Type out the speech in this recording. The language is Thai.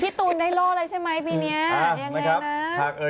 พี่ตูนได้เล่าแล้วใช่ไหมปีนี้